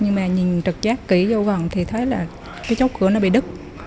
nhưng mà nhìn trực giác kỹ vô gần thì thấy là cái chốt cửa nó bị đứt